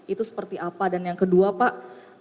itu seperti apa dan yang kedua pak